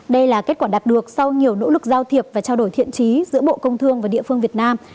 đây là kết quả đạt được sau nhiều nỗ lực giao thiệp và trao đổi thiện trí giữa bộ công thương và địa phương việt nam